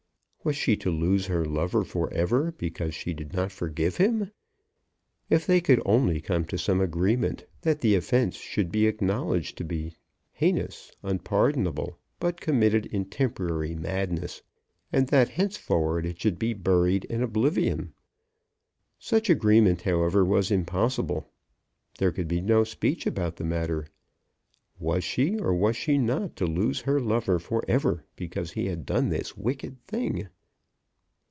Was she to lose her lover for ever because she did not forgive him! If they could only come to some agreement that the offence should be acknowledged to be heinous, unpardonable, but committed in temporary madness, and that henceforward it should be buried in oblivion! Such agreement, however, was impossible. There could be no speech about the matter. Was she or was she not to lose her lover for ever because he had done this wicked thing?